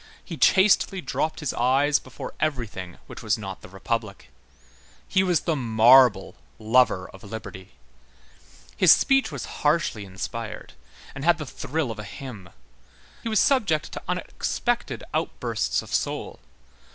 He chastely dropped his eyes before everything which was not the Republic. He was the marble lover of liberty. His speech was harshly inspired, and had the thrill of a hymn. He was subject to unexpected outbursts of soul.